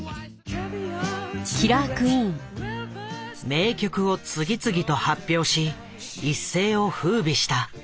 名曲を次々と発表し一世をふうびした。